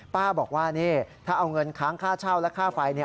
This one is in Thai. ป้าบอกว่านี่ถ้าเอาเงินค้างค่าเช่าและค่าไฟเนี่ย